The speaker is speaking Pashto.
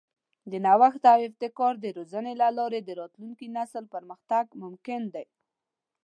د نوښت او ابتکار د روزنې له لارې د راتلونکي نسل پرمختګ ممکن دی.